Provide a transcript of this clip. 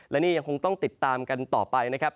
และนี่ยังคงต้องติดตามกันต่อไปนะครับ